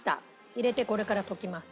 入れてこれから溶きます。